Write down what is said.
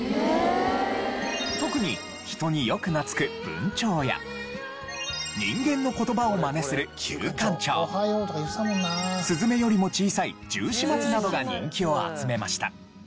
特に人によく懐く文鳥や人間の言葉をマネする九官鳥スズメよりも小さいジュウシマツなどが人気を集めました。